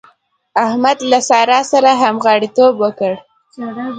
احمد له سارا سره همغاړيتوب وکړ.